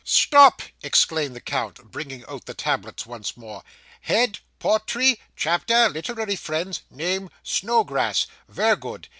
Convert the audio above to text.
'Stop,' exclaimed the count, bringing out the tablets once more. 'Head, potry chapter, literary friends name, Snowgrass; ver good.